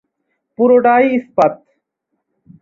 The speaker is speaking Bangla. পুরোটাই ইস্পাত।